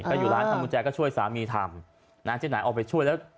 ก็อยู่ร้านทำกุญแจก็ช่วยสามีทำนะที่ไหนออกไปช่วยแล้ว